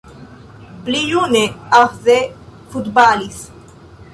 Pli june Ahde futbalis.